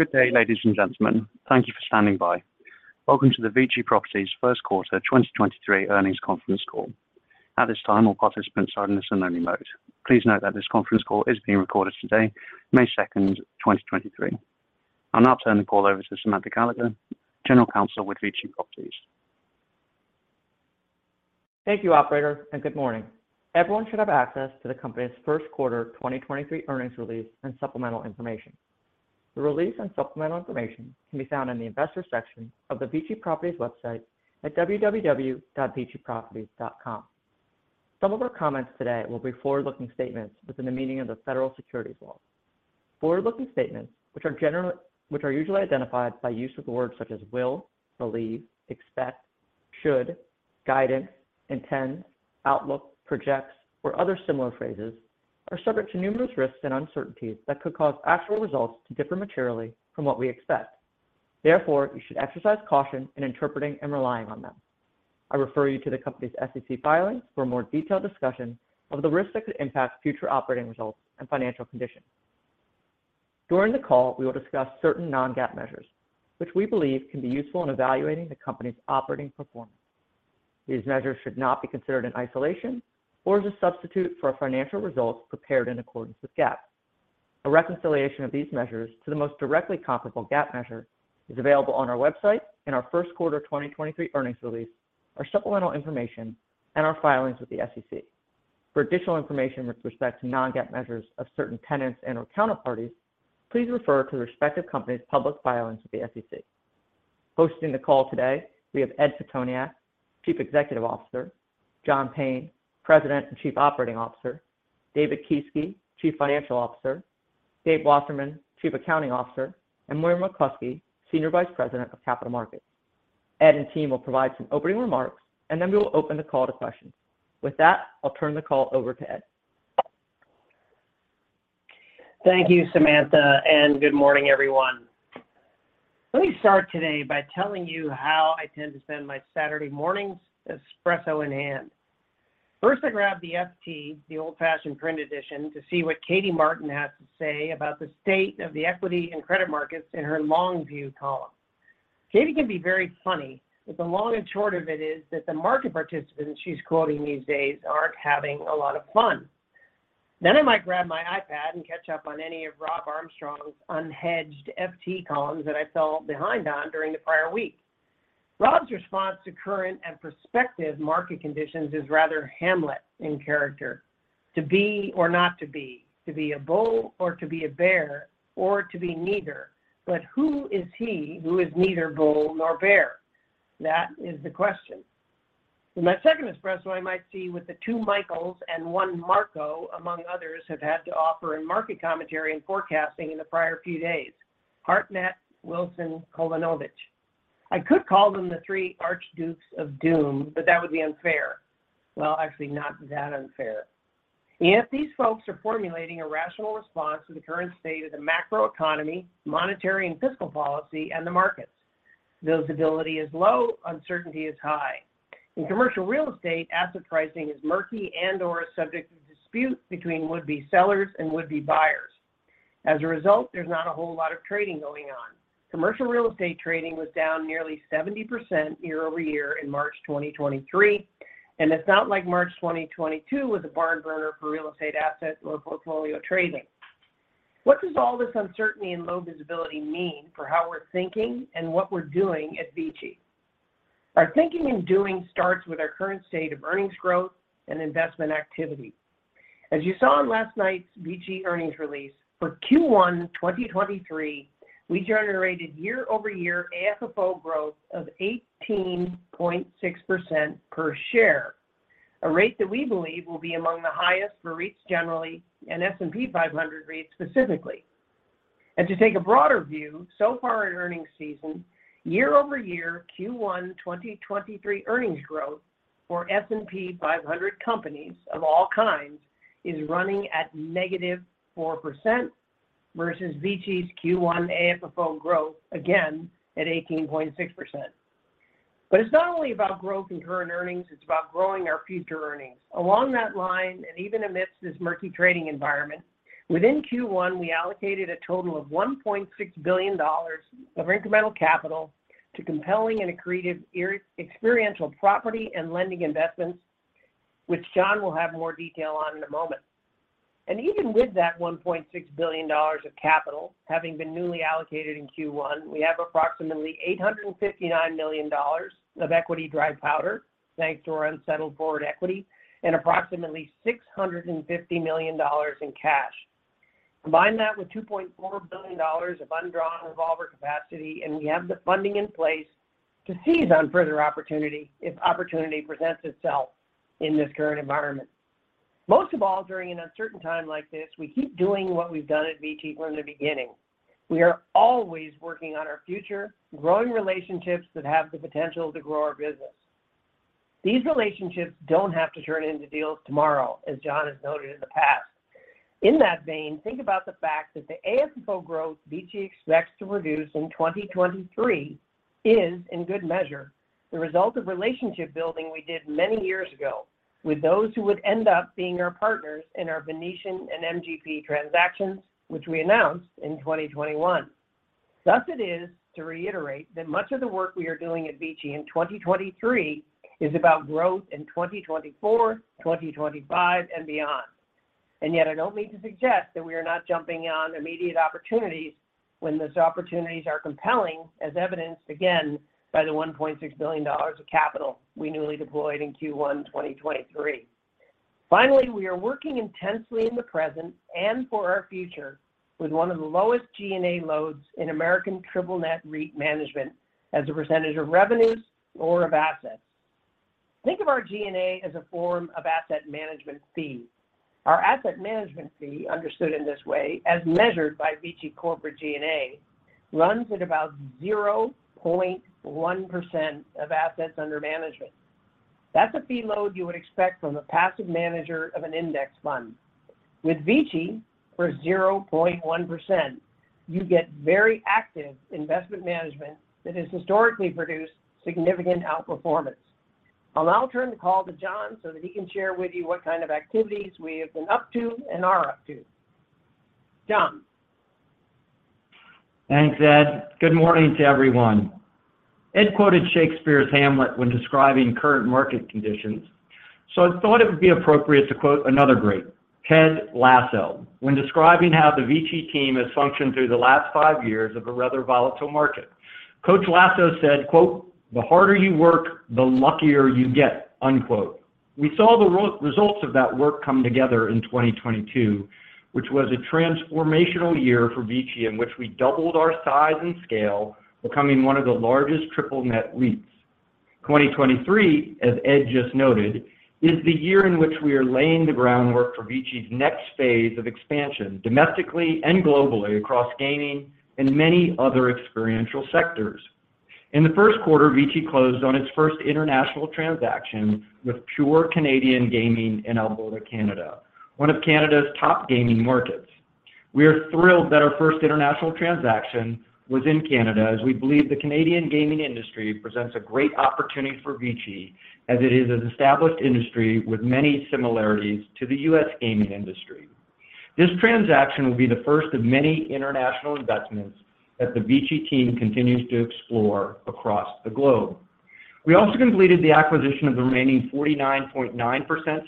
Good day, ladies and gentlemen. Thank you for standing by. Welcome to the VICI Properties first quarter 2023 earnings conference call. At this time, all participants are in a listen only mode. Please note that this conference call is being recorded today, May 2nd, 2023. I'll now turn the call over to Samantha Gallagher, General Counsel with VICI Properties. Thank you, operator, and good morning. Everyone should have access to the company's first quarter 2023 earnings release and supplemental information. The release and supplemental information can be found in the Investors Section of the VICI Properties website at www.viciproperties.com. Some of our comments today will be forward-looking statements within the meaning of the federal securities law. Forward-looking statements, which are usually identified by use of the words such as will, believe, expect, should, guidance, intend, outlook, projects, or other similar phrases, are subject to numerous risks and uncertainties that could cause actual results to differ materially from what we expect. Therefore, you should exercise caution in interpreting and relying on them. I refer you to the company's SEC filings for more detailed discussion of the risks that could impact future operating results and financial conditions. During the call, we will discuss certain non-GAAP measures which we believe can be useful in evaluating the company's operating performance. These measures should not be considered in isolation or as a substitute for financial results prepared in accordance with GAAP. A reconciliation of these measures to the most directly comparable GAAP measure is available on our website in our first quarter 2023 earnings release, our supplemental information, and our filings with the SEC. For additional information with respect to non-GAAP measures of certain tenants and/or counterparties, please refer to the respective company's public filings with the SEC. Hosting the call today we have Ed Pitoniak, Chief Executive Officer, John Payne, President and Chief Operating Officer, David Kieske, Chief Financial Officer, Gabriel Wasserman, Chief Accounting Officer, and Moira McCloskey, Senior Vice President of Capital Markets. Ed and team will provide some opening remarks, and then we will open the call to questions. With that, I'll turn the call over to Ed. Thank you, Samantha, and good morning, everyone. Let me start today by telling you how I tend to spend my Saturday mornings, espresso in hand. First, I grab the FT, the old-fashioned print edition, to see what Katie Martin has to say about the state of the equity and credit markets in her Long View column. Katie can be very funny, but the long and short of it is that the market participants she's quoting these days aren't having a lot of fun. I might grab my iPad and catch up on any of Rob Armstrong's unhedged FT columns that I fell behind on during the prior week. Rob's response to current and prospective market conditions is rather Hamlet in character. To be or not to be, to be a bull or to be a bear, or to be neither. Who is he who is neither bull nor bear? That is the question. In my second espresso, I might see what the two Michaels and one Marko, among others, have had to offer in market commentary and forecasting in the prior few days. Hartnett, Wilson, Kolanovic. I could call them the three Archdukes of Doom, that would be unfair. Well, actually, not that unfair. These folks are formulating a rational response to the current state of the macroeconomy, monetary and fiscal policy, and the markets. Visibility is low, uncertainty is high. In commercial real estate, asset pricing is murky and/or subject to dispute between would-be sellers and would-be buyers. As a result, there's not a whole lot of trading going on. Commercial real estate trading was down nearly 70% year-over-year in March 2023, and it's not like March 2022 was a barn burner for real estate asset or portfolio trading. What does all this uncertainty and low visibility mean for how we're thinking and what we're doing at VICI? Our thinking and doing starts with our current state of earnings growth and investment activity. As you saw in last night's VICI earnings release, for Q1 2023, we generated year-over-year AFFO growth of 18.6% per share, a rate that we believe will be among the highest for REITs generally, and S&P 500 REITs specifically. To take a broader view, so far in earnings season, year-over-year Q1 2023 earnings growth for S&P 500 companies of all kinds is running at -4% versus VICI's Q1 AFFO growth, again, at 18.6%. It's not only about growth in current earnings, it's about growing our future earnings. Along that line, even amidst this murky trading environment, within Q1, we allocated a total of $1.6 billion of incremental capital to compelling and accretive experiential property and lending investments, which John will have more detail on in a moment. Even with that $1.6 billion of capital having been newly allocated in Q1, we have approximately $859 million of equity dry powder, thanks to our unsettled foward equity, and approximately $650 million in cash. Combine that with $2.4 billion of undrawn revolver capacity, we have the funding in place to seize on further opportunity if opportunity presents itself in this current environment. Most of all, during an uncertain time like this, we keep doing what we've done at VICI from the beginning. We are always working on our future, growing relationships that have the potential to grow our business. These relationships don't have to turn into deals tomorrow, as John has noted in the past. In that vein, think about the fact that the AFFO growth VICI expects to produce in 2023 is in good measure the result of relationship building we did many years ago with those who would end up being our partners in our Venetian and MGP transactions, which we announced in 2021. Thus it is, to reiterate, that much of the work we are doing at VICI in 2023 is about growth in 2024, 2025, and beyond. Yet I don't mean to suggest that we are not jumping on immediate opportunities when those opportunities are compelling, as evidenced again by the $1.6 billion of capital we newly deployed in Q1 2023. Finally, we are working intensely in the present and for our future with one of the lowest G&A loads in American triple net REIT management as a % of revenues or of assets. Think of our G&A as a form of asset management fee. Our asset management fee, understood in this way, as measured by VICI corporate G&A, runs at about 0.1% of assets under management. That's a fee load you would expect from a passive manager of an index fund. With VICI, for 0.1%, you get very active investment management that has historically produced significant outperformance. I'll now turn the call to John so that he can share with you what kind of activities we have been up to and are up to. John. Thanks, Ed. Good morning to everyone. Ed quoted Shakespeare's Hamlet when describing current market conditions. I thought it would be appropriate to quote another great, Ted Lasso, when describing how the VICI team has functioned through the last five years of a rather volatile market. Coach Lasso said, "The harder you work, the luckier you get."We saw the results of that work come together in 2022, which was a transformational year for VICI in which we doubled our size and scale, becoming one of the largest triple net REITs. 2023, as Ed just noted, is the year in which we are laying the groundwork for VICI's next phase of expansion, domestically and globally across gaming and many other experiential sectors. In the first quarter, VICI closed on its first international transaction with PURE Canadian Gaming in Alberta, Canada, one of Canada's top gaming markets. We are thrilled that our first international transaction was in Canada, as we believe the Canadian gaming industry presents a great opportunity for VICI as it is an established industry with many similarities to the U.S. gaming industry. This transaction will be the first of many international investments that the VICI team continues to explore across the globe. We also completed the acquisition of the remaining 49.9%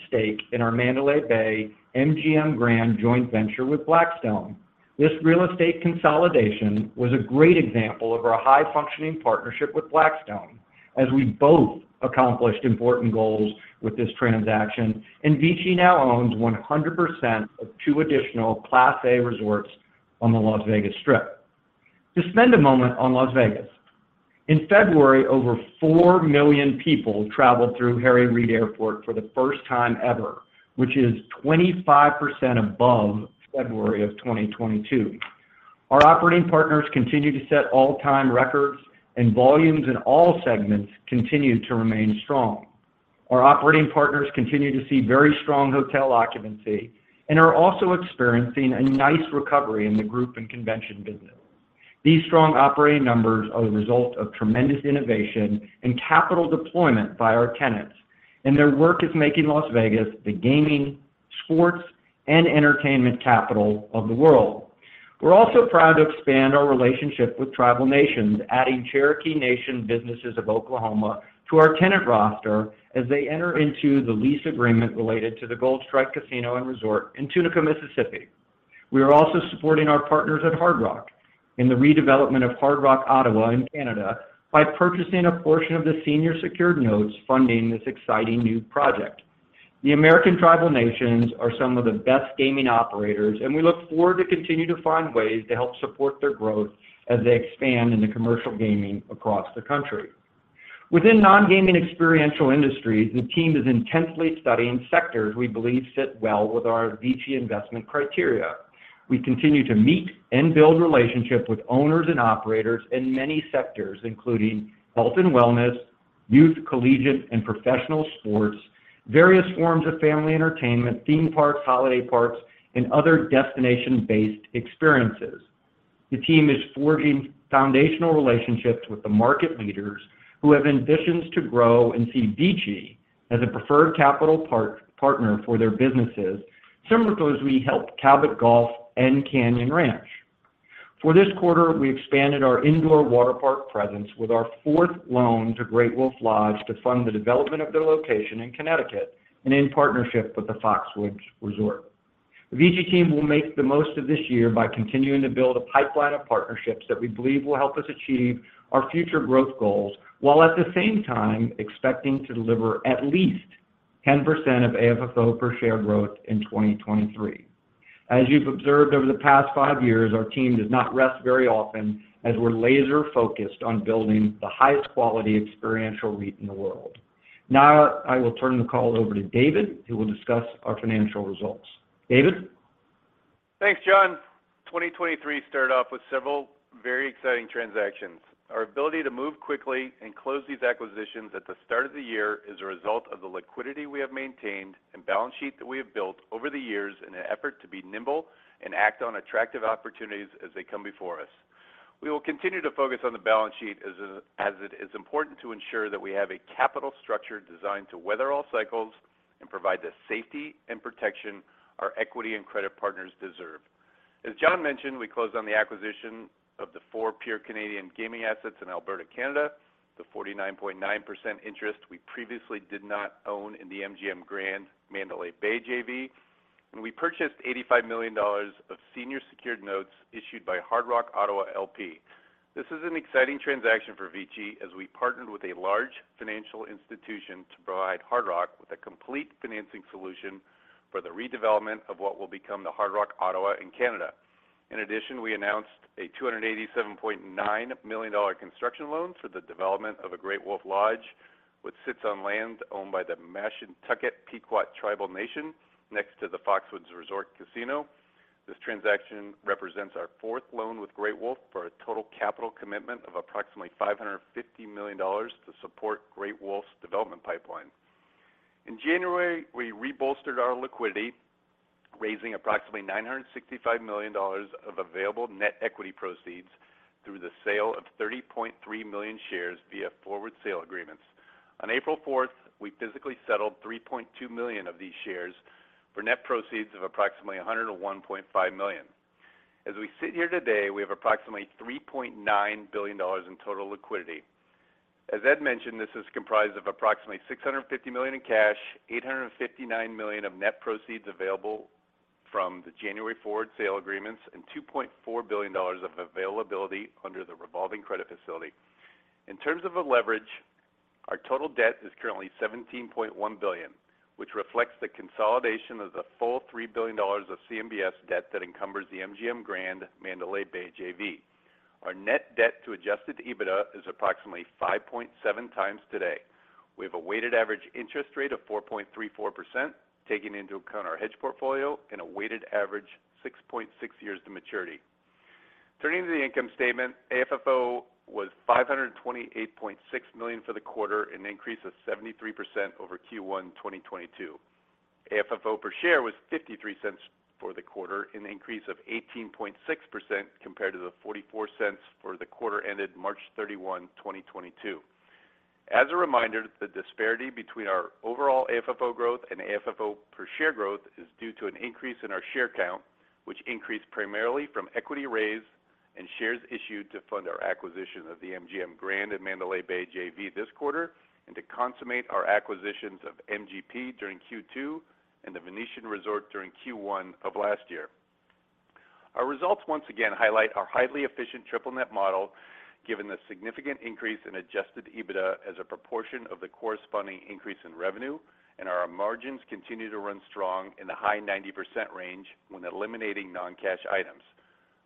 stake in our Mandalay Bay MGM Grand joint venture with Blackstone. This real estate consolidation was a great example of our high-functioning partnership with Blackstone, as we both accomplished important goals with this transaction, and VICI now owns 100% of two additional Class A resorts on the Las Vegas Strip. To spend a moment on Las Vegas, in February, over 4 million people traveled through Harry Reid Airport for the first time ever, which is 25% above February of 2022. Our operating partners continue to set all-time records. Volumes in all segments continue to remain strong. Our operating partners continue to see very strong hotel occupancy and are also experiencing a nice recovery in the group and convention business. These strong operating numbers are the result of tremendous innovation and capital deployment by our tenants. Their work is making Las Vegas the gaming, sports, and entertainment capital of the world. We're also proud to expand our relationship with Tribal Nations, adding Cherokee Nation Businesses of Oklahoma to our tenant roster as they enter into the lease agreement related to the Gold Strike Casino & Resort in Tunica, Mississippi. We are also supporting our partners at Hard Rock in the redevelopment of Hard Rock Ottawa in Canada by purchasing a portion of the senior secured notes funding this exciting new project. The American Tribal Nations are some of the best gaming operators, and we look forward to continue to find ways to help support their growth as they expand into commercial gaming across the country. Within non-gaming experiential industries, the team is intensely studying sectors we believe fit well with our VICI investment criteria. We continue to meet and build relationships with owners and operators in many sectors, including health and wellness, youth, collegiate, and professional sports, various forms of family entertainment, theme parks, holiday parks, and other destination-based experiences. The team is forging foundational relationships with the market leaders who have ambitions to grow and see VICI as a preferred capital partner for their businesses, similar to those we helped Cabot Golf and Canyon Ranch. For this quarter, we expanded our indoor water park presence with our fourth loan to Great Wolf Lodge to fund the development of their location in Connecticut and in partnership with the Foxwoods Resort. The VICI team will make the most of this year by continuing to build a pipeline of partnerships that we believe will help us achieve our future growth goals, while at the same time expecting to deliver at least 10% of AFFO per share growth in 2023. As you've observed over the past five years, our team does not rest very often, as we're laser-focused on building the highest quality experiential REIT in the world. Now I will turn the call over to David, who will discuss our financial results. David? Thanks, John. 2023 started off with several very exciting transactions. Our ability to move quickly and close these acquisitions at the start of the year is a result of the liquidity we have maintained and balance sheet that we have built over the years in an effort to be nimble and act on attractive opportunities as they come before us. We will continue to focus on the balance sheet as it is important to ensure that we have a capital structure designed to weather all cycles and provide the safety and protection our equity and credit partners deserve. As John mentioned, we closed on the acquisition of the four PURE Canadian Gaming assets in Alberta, Canada, the 49.9% interest we previously did not own in the MGM Grand Mandalay Bay JV, and we purchased $85 million of senior secured notes issued by Hard Rock Ottawa LP. This is an exciting transaction for VICI as we partnered with a large financial institution to provide Hard Rock with a complete financing solution for the redevelopment of what will become the Hard Rock Ottawa in Canada. In addition, we announced a $287.9 million construction loan for the development of a Great Wolf Lodge, which sits on land owned by the Mashantucket Pequot Tribal Nation next to the Foxwoods Resort Casino. This transaction represents our fourth loan with Great Wolf for a total capital commitment of approximately $550 million to support Great Wolf's development pipeline. In January, we rebolstered our liquidity, raising approximately $965 million of available net equity proceeds through the sale of 30.3 million shares via forward sale agreements. On April 4th, we physically settled 3.2 million of these shares for net proceeds of approximately $101.5 million. As we sit here today, we have approximately $3.9 billion in total liquidity. As Ed mentioned, this is comprised of approximately $650 million in cash, $859 million of net proceeds available from the January forward sale agreements, and $2.4 billion of availability under the revolving credit facility. In terms of the leverage, our total debt is currently $17.1 billion, which reflects the consolidation of the full $3 billion of CMBS debt that encumbers the MGM Grand Mandalay Bay JV. Our net debt to Adjusted EBITDA is approximately 5.7x today. We have a weighted average interest rate of 4.34%, taking into account our hedge portfolio and a weighted average 6.6 years to maturity. Turning to the income statement, AFFO was $528.6 million for the quarter, an increase of 73% over Q1 2022. AFFO per share was $0.53 for the quarter, an increase of 18.6% compared to the $0.44 for the quarter ended March 31, 2022. As a reminder, the disparity between our overall AFFO growth and AFFO per share growth is due to an increase in our share count, which increased primarily from equity raise and shares issued to fund our acquisition of the MGM Grand and Mandalay Bay JV this quarter and to consummate our acquisitions of MGP during Q2 and the Venetian Resort during Q1 of last year. Our results once again highlight our highly efficient triple net model, given the significant increase in Adjusted EBITDA as a proportion of the corresponding increase in revenue and our margins continue to run strong in the high 90% range when eliminating non-cash items.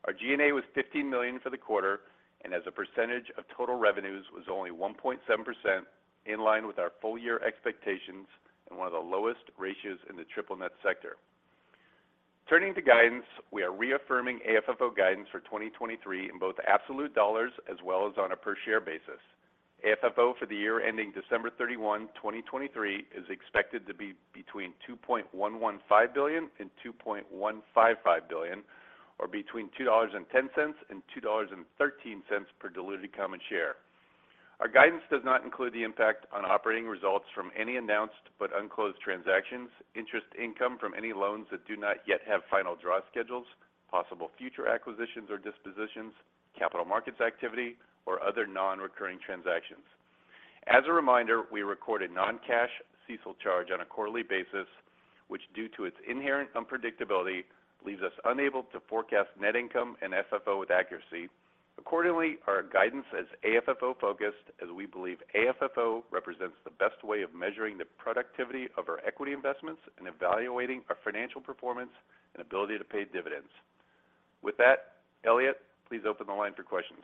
Our G&A was $15 million for the quarter, as a percentage of total revenues was only 1.7% in line with our full year expectations and one of the lowest ratios in the triple net sector. Turning to guidance, we are reaffirming AFFO guidance for 2023 in both absolute dollars as well as on a per share basis. AFFO for the year ending December 31, 2023 is expected to be between $2.115 billion and $2.155 billion or between $2.10 and $2.13 per diluted common share. Our guidance does not include the impact on operating results from any announced but unclosed transactions, interest income from any loans that do not yet have final draw schedules, possible future acquisitions or dispositions, capital markets activity or other non-recurring transactions. As a reminder, we record a non-cash CECL charge on a quarterly basis, which, due to its inherent unpredictability, leaves us unable to forecast net income and FFO with accuracy. Accordingly, our guidance is AFFO-focused as we believe AFFO represents the best way of measuring the productivity of our equity investments and evaluating our financial performance and ability to pay dividends. With that, Elliot, please open the line for questions.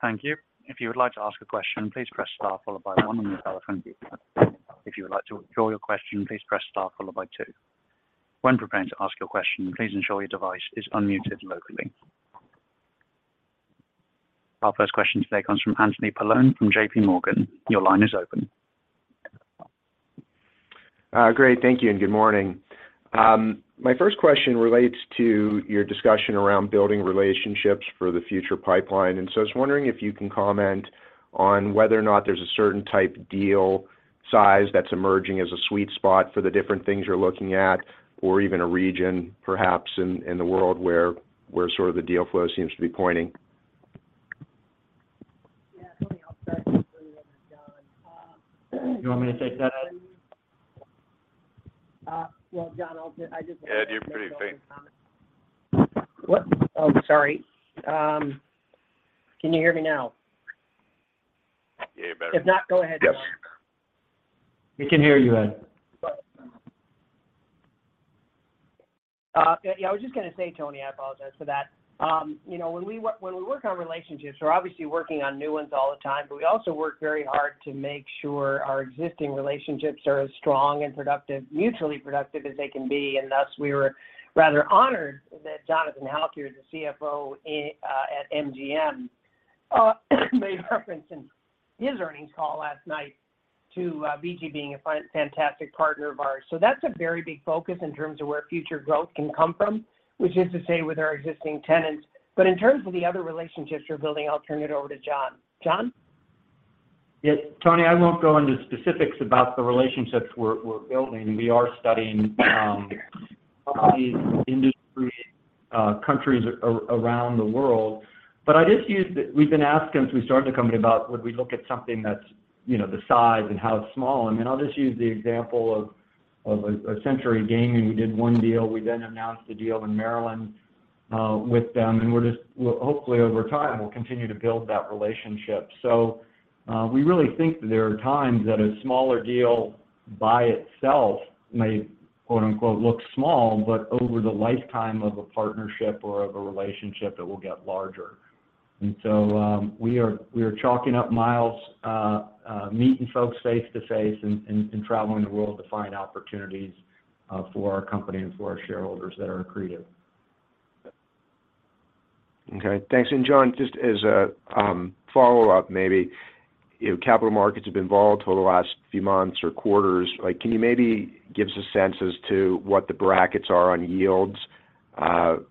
Thank you. If you would like to ask a question, please press star followed by one on your telephone keypad. If you would like to withdraw your question, please press star followed by two. When preparing to ask your question, please ensure your device is unmuted locally. Our first question today comes from Anthony Paolone from JPMorgan. Your line is open. Great. Thank you and good morning. My first question relates to your discussion around building relationships for the future pipeline. I was wondering if you can comment on whether or not there's a certain type deal size that's emerging as a sweet spot for the different things you're looking at or even a region perhaps in the world where sort of the deal flow seems to be pointing. Yeah, Tony, I'll start and then John. You want me to take that, Ed? Well, John, I just want- Ed, you're pretty faint. To take Ed's comment. What? Sorry. Can you hear me now? Yeah, you're better. If not, go ahead, John. Yes. We can hear you, Ed. Yeah, I was just gonna say, Tony, I apologize for that. you know, when we, when we work on relationships, we're obviously working on new ones all the time, but we also work very hard to make sure our existing relationships are as strong and productive, mutually productive as they can be. we were rather honored that Jonathan Halkyard, the CFO, at MGM made reference in his earnings call last night to VICI being a fantastic partner of ours. That's a very big focus in terms of where future growth can come from, which is to say with our existing tenants. In terms of the other relationships we're building, I'll turn it over to John. John? Yeah. Tony, I won't go into specifics about the relationships we're building. We are studying these industry countries around the world. We've been asked since we started the company about would we look at something that's, you know, the size and how small. I mean, I'll just use the example of a Century Casinos. We did one deal. We then announced the deal in Maryland with them, and we'll hopefully over time, we'll continue to build that relationship. We really think that there are times that a smaller deal by itself may "look small," but over the lifetime of a partnership or of a relationship, it will get larger. We are chalking up miles, meeting folks face-to-face and traveling the world to find opportunities, for our company and for our shareholders that are accretive. Okay. Thanks. John, just as a follow-up, maybe if capital markets have been volatile the last few months or quarters, like, can you maybe give us a sense as to what the brackets are on yields for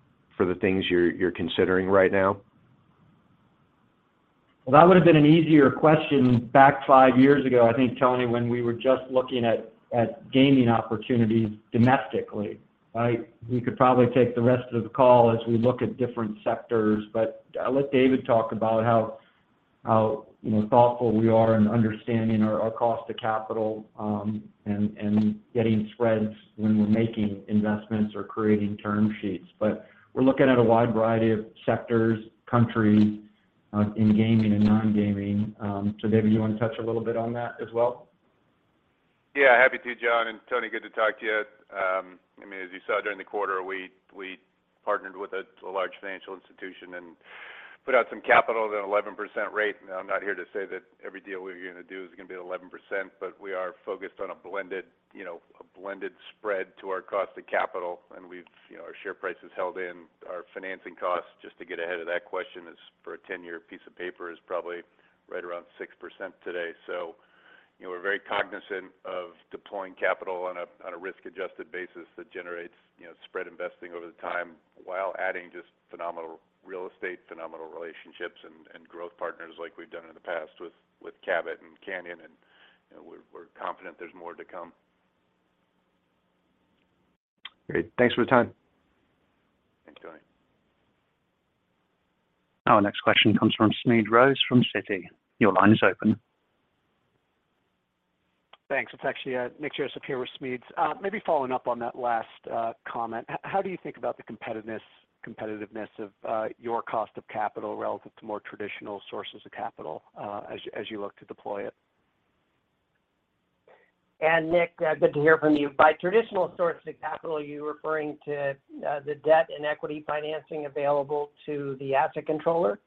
the things you're considering right now? Well, that would've been an easier question back five years ago, I think, Tony, when we were just looking at gaming opportunities domestically, right? We could probably take the rest of the call as we look at different sectors. I'll let David talk about how, you know, thoughtful we are in understanding our cost to capital and getting spreads when we're making investments or creating term sheets. We're looking at a wide variety of sectors, countries, in gaming and non-gaming. David, you wanna touch a little bit on that as well? Yeah, happy to John, and Tony, good to talk to you. I mean, as you saw during the quarter, we partnered with a large financial institution and put out some capital at 11% rate. Now, I'm not here to say that every deal we're gonna do is gonna be at 11%, but we are focused on a blended, you know, a blended spread to our cost of capital. You know, our share price has held in. Our financing cost, just to get ahead of that question, is for a 10-year piece of paper, is probably right around 6% today. You know, we're very cognizant of deploying capital on a risk-adjusted basis that generates, you know, spread investing over the time, while adding just phenomenal real estate, phenomenal relationships and growth partners like we've done in the past with Cabot and Canyon, and, you know, we're confident there's more to come. Great. Thanks for the time. Thanks, Tony. Our next question comes from Smedes Rose from Citi. Your line is open. Thanks. It's actually Nick Joseph here with Smedes. Maybe following up on that last comment, how do you think about the competitiveness of your cost of capital relative to more traditional sources of capital as you look to deploy it? Nick, good to hear from you. By traditional source of capital, are you referring to, the debt and equity financing available to the asset controller?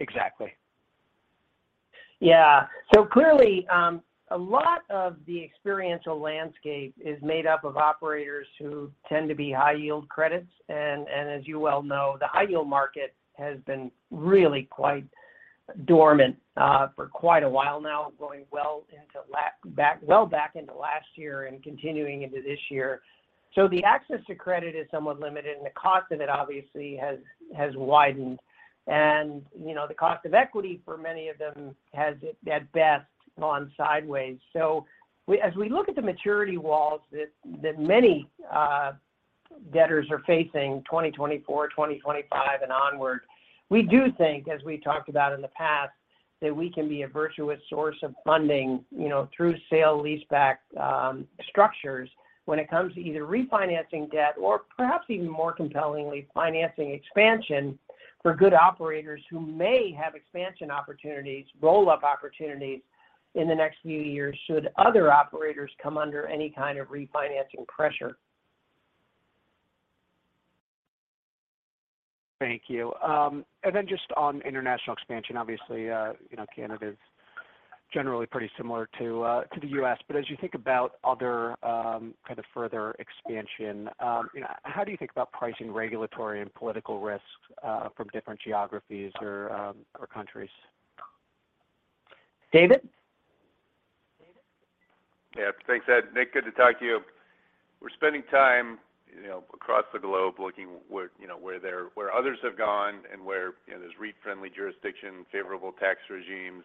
Exactly. Yeah. Clearly, a lot of the experiential landscape is made up of operators who tend to be high-yield credits. As you well know, the high-yield market has been really quite dormant for quite a while now, going well back into last year and continuing into this year. The access to credit is somewhat limited, and the cost of it obviously has widened. You know, the cost of equity for many of them has at best gone sideways. As we look at the maturity walls that many debtors are facing, 2024, 2025 and onward, we do think, as we talked about in the past, that we can be a virtuous source of funding, you know, through sale-leaseback structures when it comes to either refinancing debt or perhaps even more compellingly, financing expansion for good operators who may have expansion opportunities, roll-up opportunities in the next few years, should other operators come under any kind of refinancing pressure. Thank you. Just on international expansion, obviously, Canada is generally pretty similar to the U.S., but as you think about other further expansion, how do you think about pricing regulatory and political risks from different geographies or countries? David? Yeah. Thanks, Ed. Nick, good to talk to you. We're spending time, you know, across the globe looking where, you know, where others have gone and where, you know, there's REIT-friendly jurisdiction, favorable tax regimes,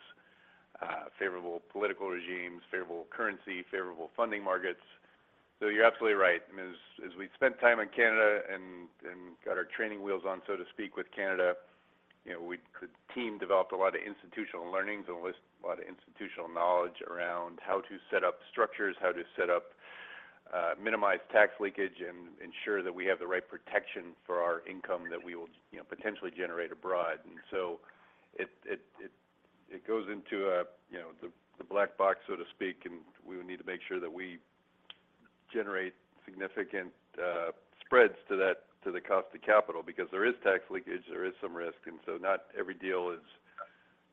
favorable political regimes, favorable currency, favorable funding markets. You're absolutely right. As we spent time in Canada and got our training wheels on, so to speak, with Canada, you know, the team developed a lot of institutional learnings and list a lot of institutional knowledge around how to set up structures, how to set up, minimize tax leakage and ensure that we have the right protection for our income that we will, you know, potentially generate abroad. It goes into, you know, the black box, so to speak, and we would need to make sure that we generate significant spreads to the cost of capital because there is tax leakage, there is some risk, and so not every deal is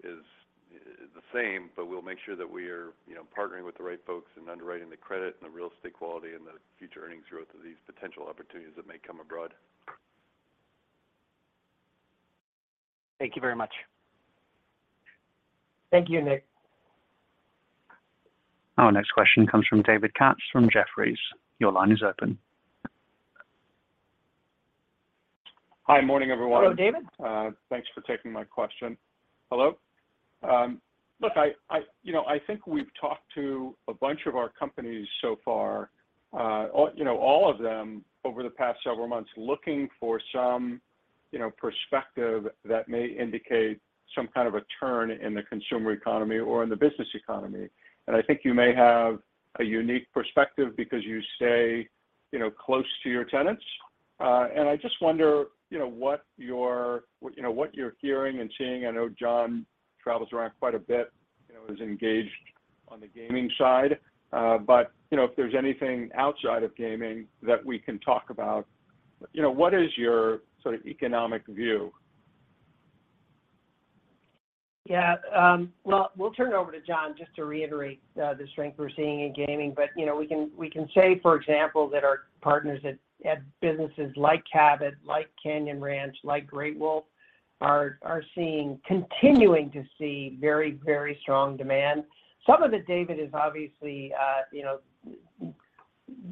the same, but we'll make sure that we are, you know, partnering with the right folks and underwriting the credit and the real estate quality and the future earnings growth of these potential opportunities that may come abroad. Thank you very much. Thank you, Nick. Our next question comes from David Katz from Jefferies. Your line is open. Hi. Morning, everyone. Hello, David. Thanks for taking my question. Hello? Look, I, you know, I think we've talked to a bunch of our companies so far, all, you know, all of them over the past several months looking for some, you know, perspective that may indicate some kind of a turn in the consumer economy or in the business economy. I think you may have a unique perspective because you stay, you know, close to your tenants. And I just wonder, you know, what your, you know, what you're hearing and seeing. I know John travels around quite a bit, you know, is engaged on the gaming side. You know, if there's anything outside of gaming that we can talk about. You know, what is your sort of economic view? Yeah. Well turn it over to John Payne just to reiterate the strength we're seeing in gaming. You know, we can say, for example, that our partners at businesses like Cabot, like Canyon Ranch, like Great Wolf, are seeing, continuing to see very, very strong demand. Some of it, David, is obviously, you know,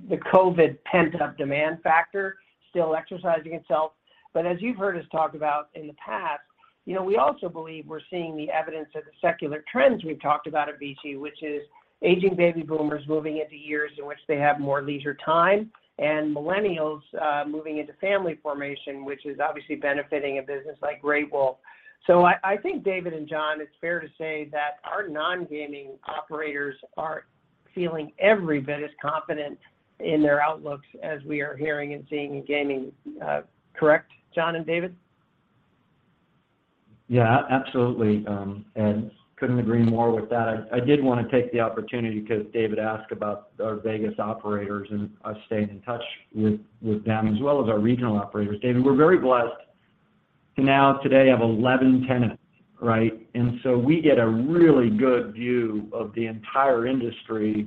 the COVID pent-up demand factor still exercising itself. As you've heard us talk about in the past, you know, we also believe we're seeing the evidence of the secular trends we've talked about at VICI, which is aging baby boomers moving into years in which they have more leisure time, and millennials moving into family formation, which is obviously benefiting a business like Great Wolf. I think, David and John, it's fair to say that our non-gaming operators are feeling every bit as confident in their outlooks as we are hearing and seeing in gaming. Correct, John and David? Absolutely, couldn't agree more with that. I did wanna take the opportunity 'cause David asked about our Vegas operators and us staying in touch with them, as well as our regional operators. David, we're very blessed to now today have 11 tenants, right? We get a really good view of the entire industry,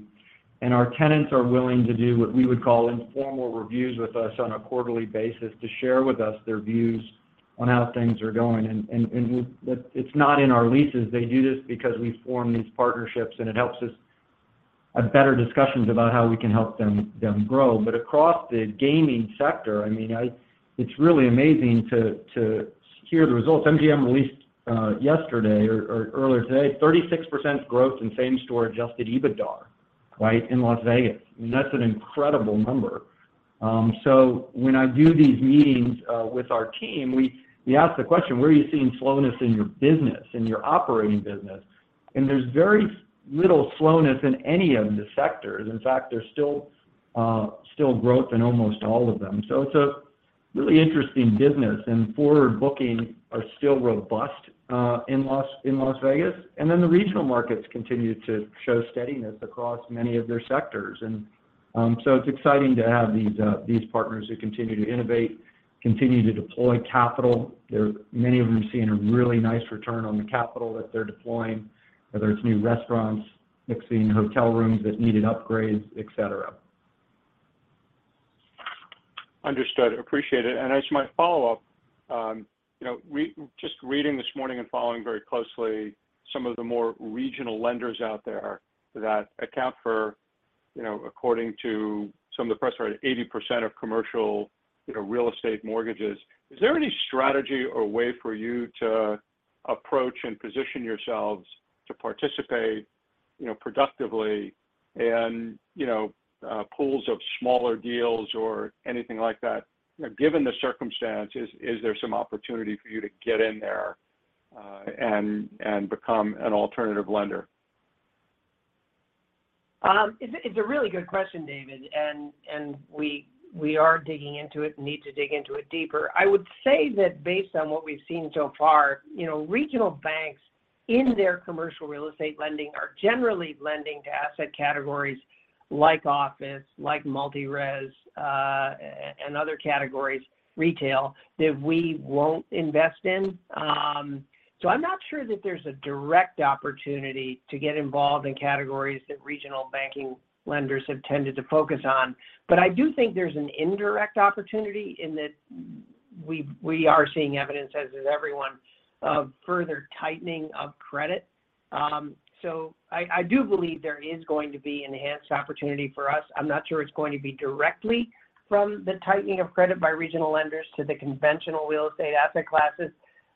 and our tenants are willing to do what we would call informal reviews with us on a quarterly basis to share with us their views on how things are going. It's not in our leases. They do this because we form these partnerships, and it helps us have better discussions about how we can help them grow. Across the gaming sector, I mean, it's really amazing to hear the results. MGM released yesterday or earlier today, 36% growth in same-store Adjusted EBITDA, right, in Las Vegas. I mean, that's an incredible number. When I do these meetings with our team, we ask the question: Where are you seeing slowness in your business, in your operating business? There's very little slowness in any of the sectors. In fact, there's still growth in almost all of them. It's a really interesting business. Forward booking are still robust in Las Vegas. The regional markets continue to show steadiness across many of their sectors. It's exciting to have these partners who continue to innovate, continue to deploy capital. Many of them are seeing a really nice return on the capital that they're deploying, whether it's new restaurants, fixing hotel rooms that needed upgrades, et cetera. Understood. Appreciate it. As my follow-up, you know, just reading this morning and following very closely some of the more regional lenders out there that account for, you know, according to some of the press, right, 80% of commercial, you know, real estate mortgages. Is there any strategy or way for you to approach and position yourselves to participate, you know, productively and, you know, pools of smaller deals or anything like that? Given the circumstances, is there some opportunity for you to get in there, and become an alternative lender? It's a really good question, David, and we are digging into it and need to dig into it deeper. I would say that based on what we've seen so far, you know, regional banks in their commercial real estate lending are generally lending to asset categories like office, like multi-res, and other categories, retail, that we won't invest in. So I'm not sure that there's a direct opportunity to get involved in categories that regional banking lenders have tended to focus on. I do think there's an indirect opportunity in that we are seeing evidence, as is everyone, of further tightening of credit. So I do believe there is going to be enhanced opportunity for us. I'm not sure it's going to be directly from the tightening of credit by regional lenders to the conventional real estate asset classes.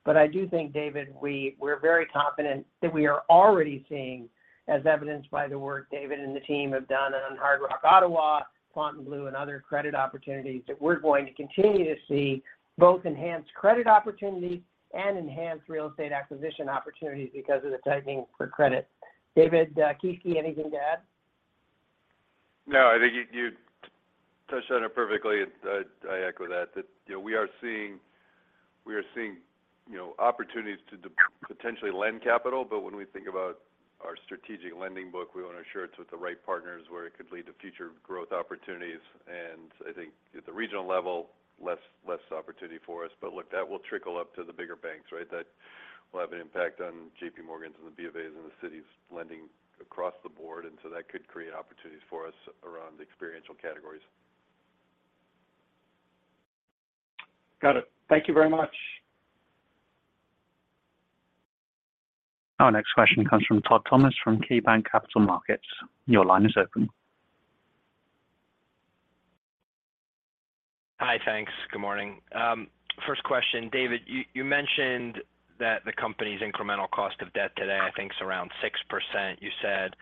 I do think, David, we're very confident that we are already seeing, as evidenced by the work David and the team have done on Hard Rock Ottawa, Fontainebleau, and other credit opportunities, that we're going to continue to see both enhanced credit opportunity and enhanced real estate acquisition opportunities because of the tightening for credit. David Kieske, anything to add? No, I think you touched on it perfectly, and I echo that, you know, we are seeing, you know, opportunities to potentially lend capital. When we think about our strategic lending book, we want to ensure it's with the right partners where it could lead to future growth opportunities. I think at the regional level, less opportunity for us. Look, that will trickle up to the bigger banks, right? That will have an impact on JPMorgan and the BofA and the Citi lending across the board. That could create opportunities for us around the experiential categories. Got it. Thank you very much. Our next question comes from Todd Thomas, from KeyBanc Capital Markets. Your line is open. Hi. Thanks. Good morning. First question, David, you mentioned that the company's incremental cost of debt today, I think is around 6%. You said,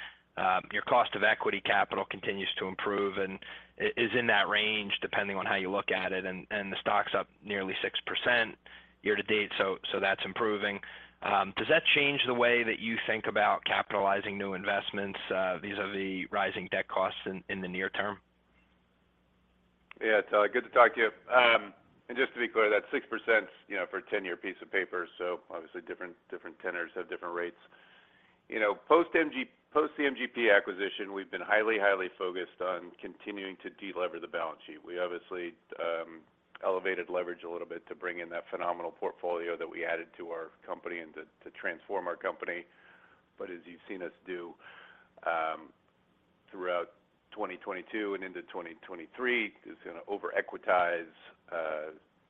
your cost of equity capital continues to improve and is in that range depending on how you look at it, and the stock's up nearly 6% year-to-date, so that's improving. Does that change the way that you think about capitalizing new investments vis-a-vis rising debt costs in the near term? Todd. Good to talk to you. And just to be clear, that 6% is, you know, for a 10-year piece of paper, so obviously different tenors have different rates. You know, post the MGP acquisition, we've been highly focused on continuing to delever the balance sheet. We obviously elevated leverage a little bit to bring in that phenomenal portfolio that we added to our company and to transform our company. As you've seen us do throughout 2022 and into 2023, is going to over-equitize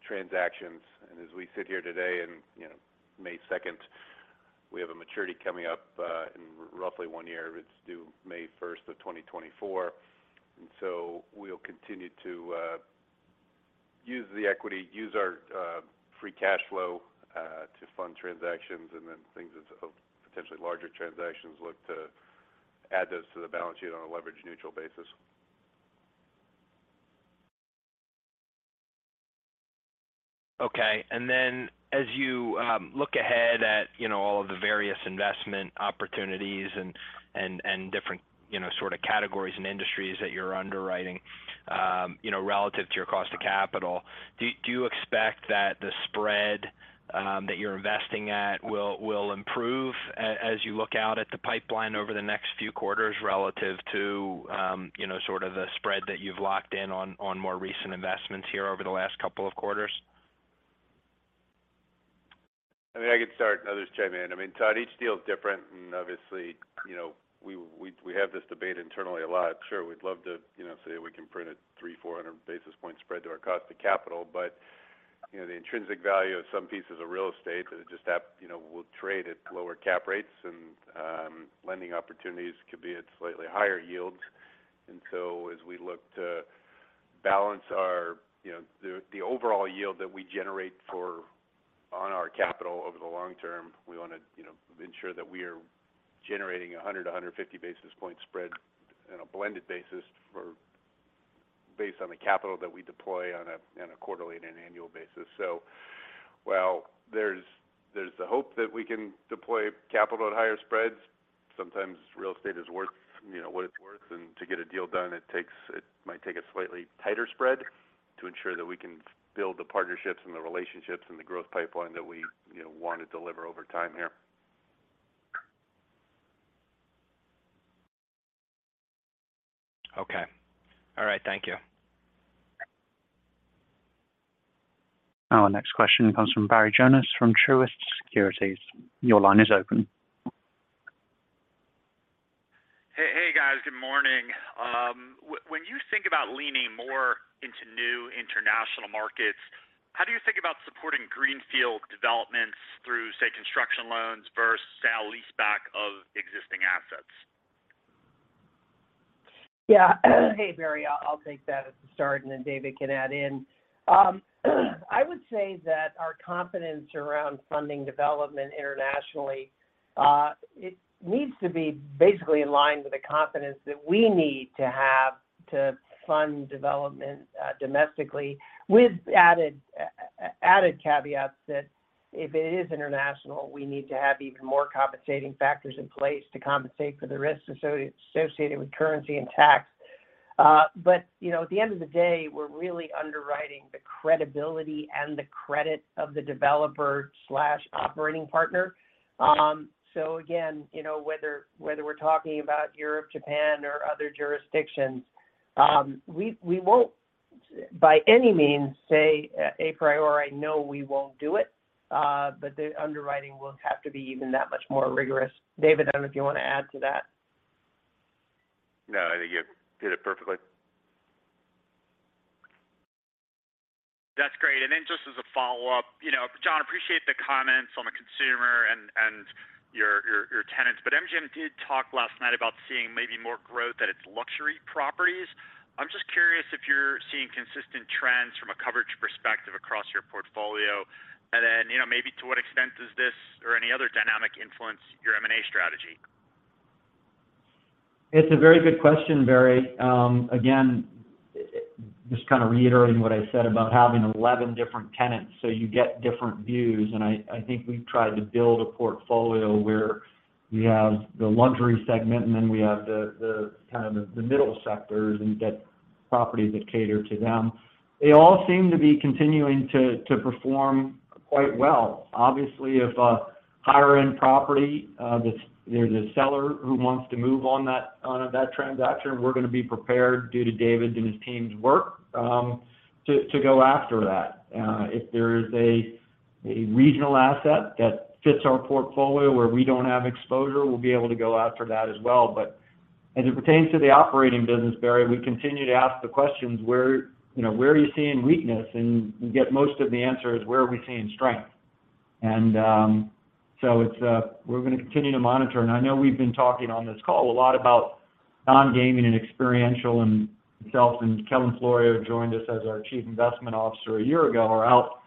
transactions. As we sit here today and, you know, May 2nd, we have a maturity coming up in roughly one year. It's due May 1st of 2024. We'll continue to use the equity, use our free cash flow to fund transactions and then things of potentially larger transactions look to add those to the balance sheet on a leverage neutral basis. Okay. As you look ahead at, you know, all of the various investment opportunities and different, you know, sort of categories and industries that you're underwriting, you know, relative to your cost of capital, do you expect that the spread that you're investing at will improve as you look out at the pipeline over the next few quarters relative to, you know, sort of the spread that you've locked in on more recent investments here over the last couple of quarters? I mean, I can start others chime in. I mean, Todd, each deal is different obviously, you know, we have this debate internally a lot. Sure, we'd love to, you know, say we can print a 300-400 basis point spread to our cost of capital. You know, the intrinsic value of some pieces of real estate that just have, you know, will trade at lower cap rates and lending opportunities could be at slightly higher yields. As we look to balance our, you know, the overall yield that we generate on our capital over the long term, we wanna, you know, ensure that we are generating a 100-150 basis point spread in a blended basis based on the capital that we deploy on a quarterly and annual basis. While there's the hope that we can deploy capital at higher spreads, sometimes real estate is worth, you know, what it's worth. To get a deal done, it might take a slightly tighter spread to ensure that we can build the partnerships and the relationships and the growth pipeline that we, you know, want to deliver over time here. Okay. All right. Thank you. Our next question comes from Barry Jonas, from Truist Securities. Your line is open. Hey. Hey, guys. Good morning. When you think about leaning more into new international markets, how do you think about supporting greenfield developments through, say, construction loans versus sale-leaseback of existing assets? Yeah. Hey, Barry, I'll take that as the start, and then David can add in. I would say that our confidence around funding development internationally, it needs to be basically in line with the confidence that we need to have to fund development domestically with added caveats that if it is international, we need to have even more compensating factors in place to compensate for the risks associated with currency and tax. But, you know, at the end of the day, we're really underwriting the credibility and the credit of the developer/operating partner. So again, you know, whether we're talking about Europe, Japan, or other jurisdictions, we won't by any means say a priori, no, we won't do it. But the underwriting will have to be even that much more rigorous. David, I don't know if you want to add to that. No, I think you did it perfectly. That's great. Just as a follow-up, you know, John, appreciate the comments on the consumer and your tenants. MGM did talk last night about seeing maybe more growth at its luxury properties. I'm just curious if you're seeing consistent trends from a coverage perspective across your portfolio. You know, maybe to what extent does this or any other dynamic influence your M&A strategy? It's a very good question, Barry. Again, just kind of reiterating what I said about having 11 different tenants, so you get different views. I think we've tried to build a portfolio where we have the Luxury segment, and then we have the kind of the middle sectors and properties that cater to them. They all seem to be continuing to perform quite well. Obviously, if a higher end property, there's a seller who wants to move on that transaction, we're gonna be prepared due to David and his team's work, to go after that. If there is a regional asset that fits our portfolio where we don't have exposure, we'll be able to go after that as well. As it pertains to the operating business, Barry, we continue to ask the questions where, you know, where are you seeing weakness? We get most of the answers, where are we seeing strength? So it's, we're gonna continue to monitor. I know we've been talking on this call a lot about non-gaming and experiential and itself, and Kellan Florio joined us as our chief investment officer a year ago, are out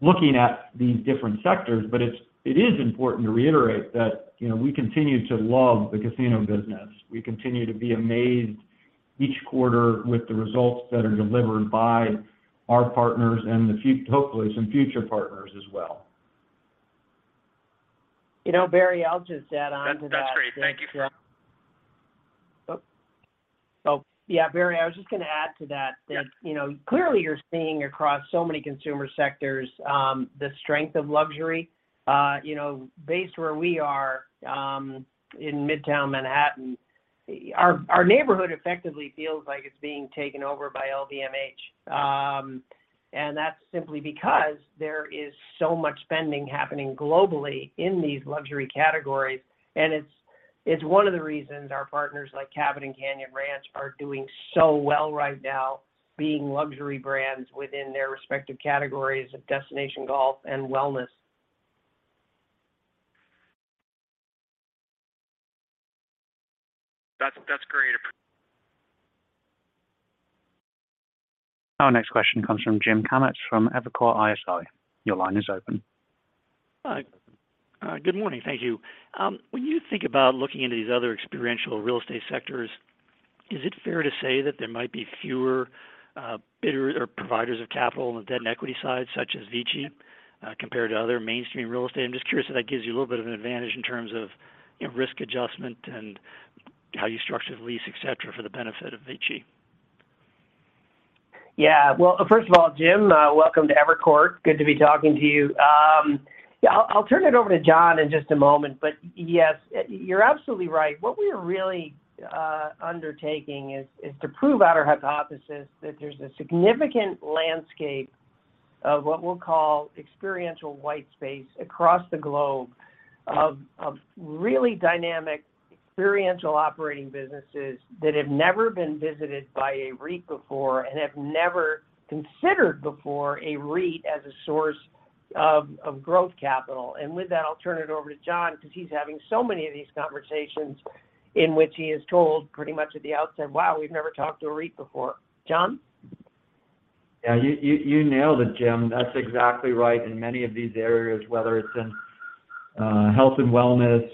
looking at these different sectors. It's, it is important to reiterate that, you know, we continue to love the casino business. We continue to be amazed each quarter with the results that are delivered by our partners and hopefully some future partners as well. You know, Barry, I'll just add on to that. That's great. Thank you, John. Oh, yeah, Barry, I was just gonna add to that. Yeah. That, you know, clearly you're seeing across so many consumer sectors, the strength of luxury. You know, based where we are, in Midtown Manhattan, our neighborhood effectively feels like it's being taken over by LVMH. That's simply because there is so much spending happening globally in these luxury categories. It's one of the reasons our partners, like Cabot and Canyon Ranch, are doing so well right now, being luxury brands within their respective categories of destination golf and wellness. That's great. Our next question comes from James Kammert from Evercore ISI. Your line is open. Hi. Good morning. Thank you. When you think about looking into these other experiential real estate sectors, is it fair to say that there might be fewer bidders or providers of capital on the debt and equity side, such as VICI, compared to other mainstream real estate? I'm just curious if that gives you a little bit of an advantage in terms of, you know, risk adjustment and how you structure the lease, et cetera, for the benefit of VICI. Well, first of all, Jim, welcome to Evercore. Good to be talking to you. I'll turn it over to John in just a moment, but yes, you're absolutely right. What we are really undertaking is to prove out our hypothesis that there's a significant landscape of what we'll call experiential white space across the globe of really dynamic experiential operating businesses that have never been visited by a REIT before and have never considered before a REIT as a source of growth capital. With that, I'll turn it over to John because he's having so many of these conversations in which he is told pretty much at the outset, "Wow, we've never talked to a REIT before." John? Yeah, you nailed it, Jim. That's exactly right. In many of these areas, whether it's in health and wellness,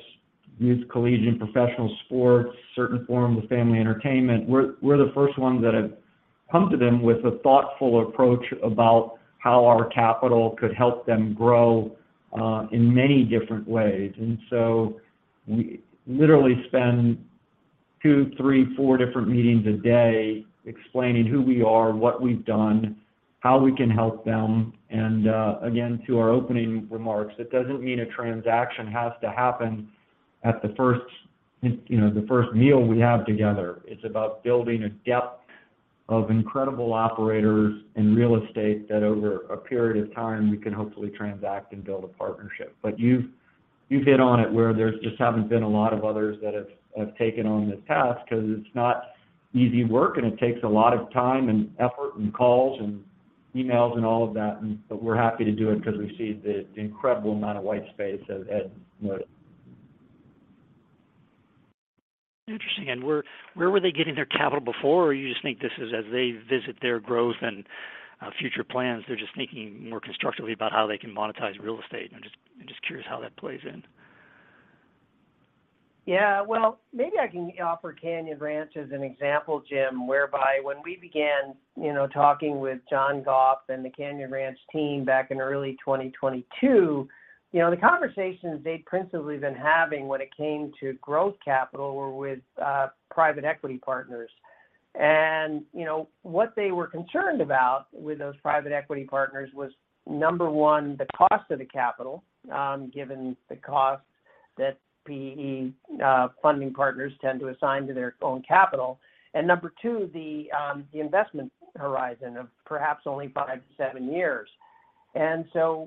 youth, collegiate and professional sports, certain forms of family entertainment, we're the first ones that have come to them with a thoughtful approach about how our capital could help them grow in many different ways. So we literally spend two, three, four different meetings a day explaining who we are, what we've done, how we can help them. Again, to our opening remarks, it doesn't mean a transaction has to happen at the first meal we have together. It's about building a depth of incredible operators in real estate that over a period of time we can hopefully transact and build a partnership. You've hit on it where there just haven't been a lot of others that have taken on this task because it's not easy work, and it takes a lot of time and effort and calls and emails and all of that. We're happy to do it because we see the incredible amount of white space as you know. Interesting. Where were they getting their capital before, or you just think this is as they visit their growth and future plans, they're just thinking more constructively about how they can monetize real estate? I'm just curious how that plays in. Yeah. Well, maybe I can offer Canyon Ranch as an example, Jim, whereby when we began, you know, talking with John Goff and the Canyon Ranch team back in early 2022, you know, the conversations they'd principally been having when it came to growth capital were with private equity partners. What they were concerned about with those private equity partners was, number one, the cost of the capital, given the cost that PE funding partners tend to assign to their own capital. Number two, the investment horizon of perhaps only five to 7 years.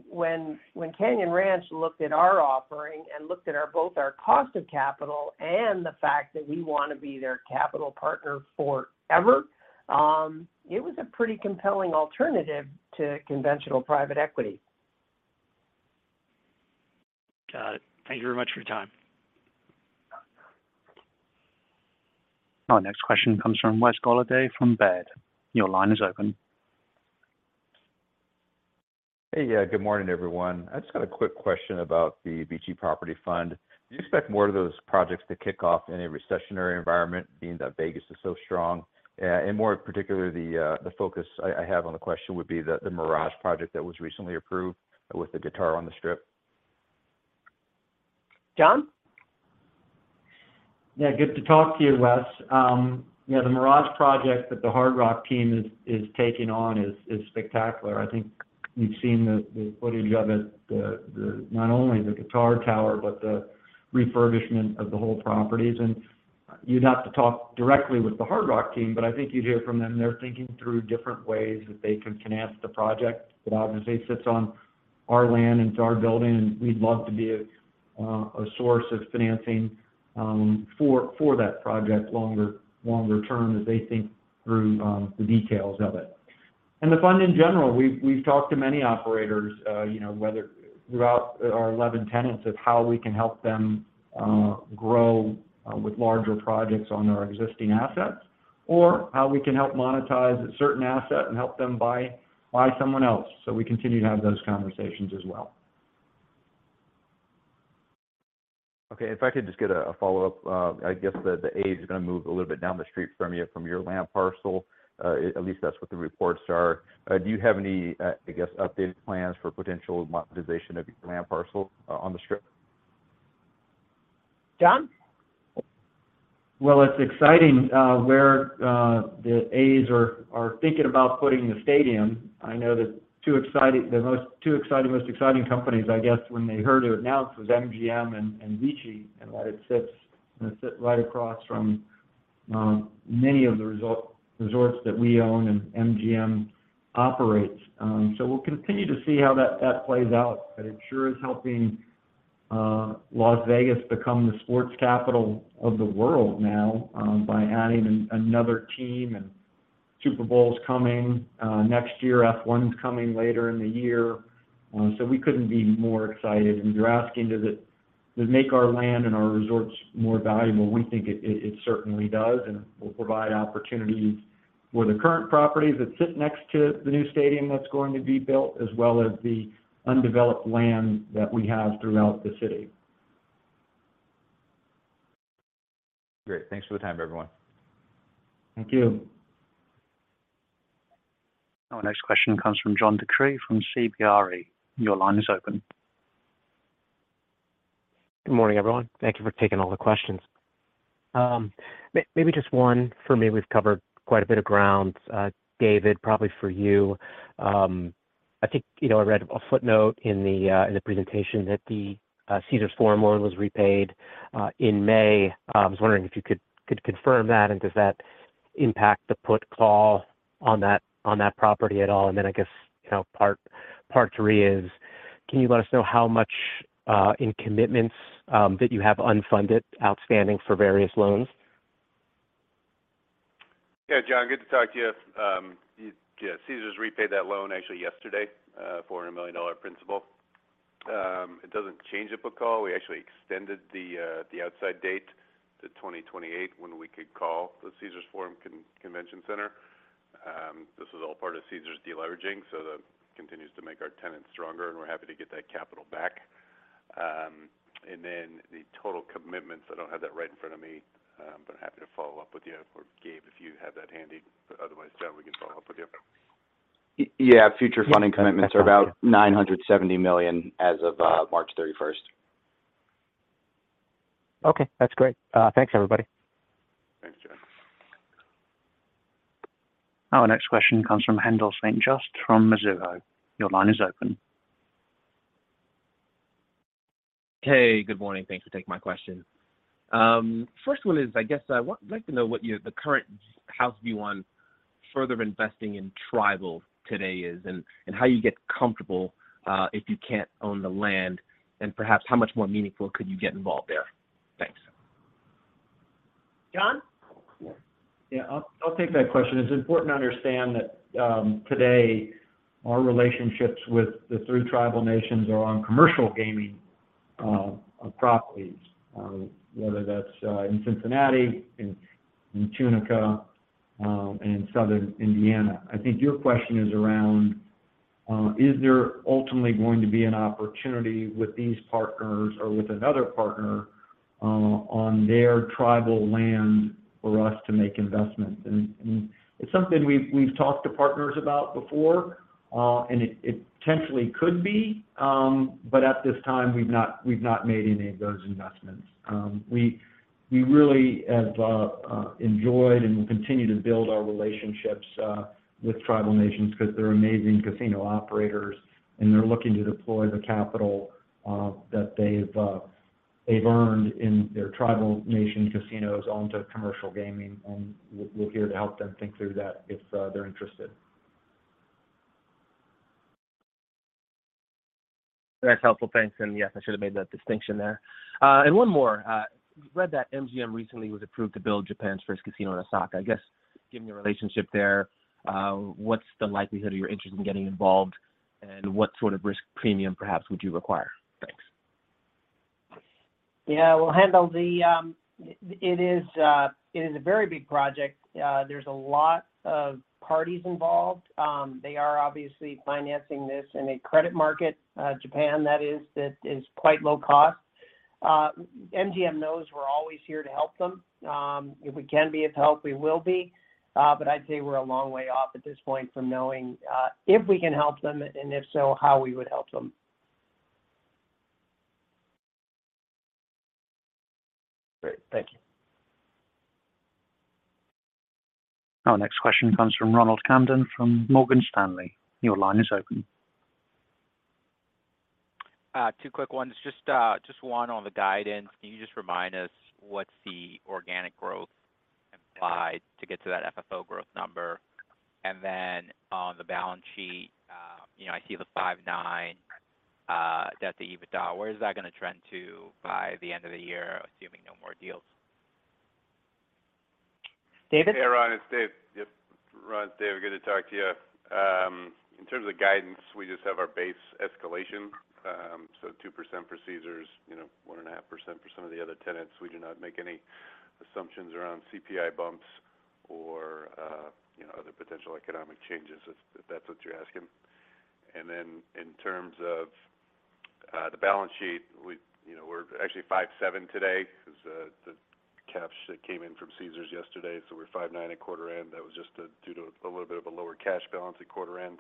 When, when Canyon Ranch looked at our offering and looked at both our cost of capital and the fact that we wanna be their capital partner forever, it was a pretty compelling alternative to conventional private equity. Got it. Thank you very much for your time. Our next question comes from Wes Golladay from Baird. Your line is open. Hey. Yeah, good morning, everyone. I just got a quick question about the VICI Property Fund. Do you expect more of those projects to kick off in a recessionary environment, being that Vegas is so strong? More particularly, the focus I have on the question would be the Mirage project that was recently approved with the guitar on the Strip. John? Yeah. Good to talk to you, Wes. Yeah, the Mirage project that the Hard Rock team is taking on is spectacular. I think we've seen the footage of it, not only the guitar tower, but the refurbishment of the whole properties. You'd have to talk directly with the Hard Rock team, but I think you'd hear from them, they're thinking through different ways that they can finance the project without... As they sit on our land, into our building, we'd love to be a source of financing for that project longer term as they think through the details of it. In the fund in general, we've talked to many operators, you know, throughout our 11 tenants of how we can help them grow with larger projects on their existing assets or how we can help monetize a certain asset and help them buy someone else. We continue to have those conversations as well. Okay. If I could just get a follow-up. I guess the A's are gonna move a little bit down the street from your land parcel, at least that's what the reports are. Do you have any, I guess, updated plans for potential monetization of your land parcel on the strip? John? It's exciting where the A's are thinking about putting the stadium. The two most exciting companies, I guess, when they heard it announced was MGM and VICI, that it's gonna sit right across from many of the resorts that we own and MGM operates. We'll continue to see how that plays out. It sure is helping Las Vegas become the sports capital of the world now by adding another team. Super Bowl is coming next year, F1 is coming later in the year. We couldn't be more excited. You're asking, does it make our land and our resorts more valuable? We think it certainly does, and will provide opportunities for the current properties that sit next to the new stadium that's going to be built, as well as the undeveloped land that we have throughout the city. Great. Thanks for the time, everyone. Thank you. Our next question comes from John DeCree from CBRE. Your line is open. Good morning, everyone. Thank you for taking all the questions. maybe just one for me. We've covered quite a bit of ground. David, probably for you, I think, you know, I read a footnote in the presentation that the Caesars Forum loan was repaid in May. I was wondering if you could confirm that, and does that impact the put call on that property at all? I guess, you know, part three is, can you let us know how much in commitments that you have unfunded, outstanding for various loans? Yeah. John, good to talk to you. Yeah, Caesars repaid that loan actually yesterday, $400 million principal. It doesn't change the put call. We actually extended the outside date to 2028 when we could call the Caesars Forum Convention Center. This was all part of Caesars deleveraging, so that continues to make our tenants stronger, and we're happy to get that capital back. The total commitments, I don't have that right in front of me, but happy to follow up with you. Or Gabe, if you have that handy, but otherwise, yeah, we can follow up with you. Yeah. Future funding commitments are about $970 million as of March 31st. Okay. That's great. Thanks, everybody. Thanks, John. Our next question comes from Haendel St. Juste from Mizuho. Your line is open. Hey, good morning. Thanks for taking my question. First one is, I guess I'd like to know what the current house view on further investing in tribal today is, and how you get comfortable, if you can't own the land. Perhaps how much more meaningful could you get involved there? Thanks. John? Yeah. I'll take that question. It's important to understand that today our relationships with the three tribal nations are on commercial gaming properties, whether that's in Cincinnati, in Tunica, and Southern Indiana. I think your question is around is there ultimately going to be an opportunity with these partners or with another partner on their tribal land for us to make investments? It's something we've talked to partners about before, and it potentially could be. But at this time we've not made any of those investments. We really have enjoyed and will continue to build our relationships with tribal nations because they're amazing casino operators. They're looking to deploy the capital that they've earned in their tribal nation casinos onto commercial gaming. We're here to help them think through that if they're interested. That's helpful. Thanks. Yes, I should have made that distinction there. One more. Read that MGM recently was approved to build Japan's first casino in Osaka. I guess, given your relationship there, what's the likelihood of your interest in getting involved, and what sort of risk premium perhaps would you require? Thanks. Well, Haendel, it is a very big project. There's a lot of parties involved. They are obviously financing this in a credit market, Japan, that is quite low cost. MGM knows we're always here to help them. If we can be of help, we will be. I'd say we're a long way off at this point from knowing if we can help them, and if so, how we would help them. Great. Thank you. Our next question comes from Ronald Kamdem from Morgan Stanley. Your line is open. Two quick ones. Just one on the guidance. Can you just remind us what's the organic growth implied to get to that FFO growth number? On the balance sheet, you know, I see the 5.9 debt to EBITDA. Where is that gonna trend to by the end of the year, assuming no more deals? David? Hey, Ron, it's Dave. Yep. Ron, it's Dave. Good to talk to you. In terms of guidance, we just have our base escalation. 2% for Caesars, you know, 1.5% for some of the other tenants. We do not make any assumptions around CPI bumps or, you know, other potential economic changes if that's what you're asking. In terms of the balance sheet, you know, we're actually 5.7 today because the cash that came in from Caesars yesterday. We're 5.9 at quarter end. That was just due to a little bit of a lower cash balance at quarter end.